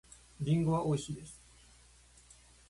リンゴはおいしいです。